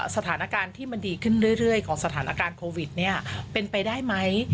สถานการณ์ที่มันดีขึ้นเรื่อยของสถานการณ์โควิดเนี่ยเป็นไปได้ไหม